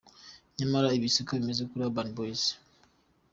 Nyamara ibi siko bimeze kuri Urban boyz.